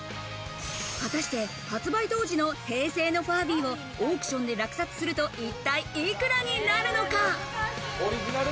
果たして発売当時の平成のファービーをオークションで落札すると、一体幾らになるのか？